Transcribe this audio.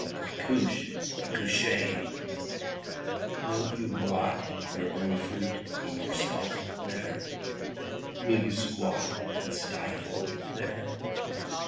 (Accouche! accouchez! Will you rot your own fruit in yourself there? Will you squat and stifle there?)